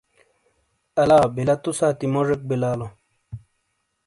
الا بیلا تو ساتی موجیک بیلالو۔